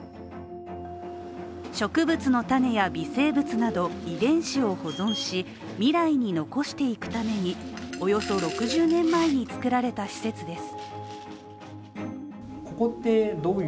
植物の種や微生物など遺伝子を保存し、未来に残していくためにおよそ６０年前に作られた施設です。